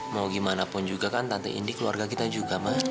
mau gimana pun juga kan tante ini keluarga kita juga mah